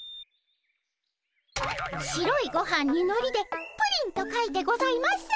白いごはんにのりで「プリン」と書いてございます。